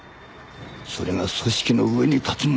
それが組織の上に立つ者の務めだ！